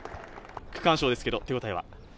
区間賞ですけれども、手応えは？